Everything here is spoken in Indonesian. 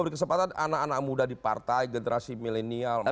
beri kesempatan anak anak muda di partai generasi milenial